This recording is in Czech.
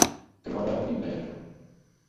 Krvavého Impéria.